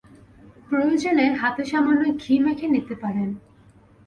প্রয়োজনে হাতে সামান্য ঘি মেখে নিতে পারেন।